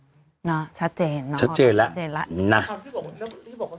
อืมน่ะชัดเจนชัดเจนล่ะชัดเจนล่ะน่ะที่บอกที่บอกว่า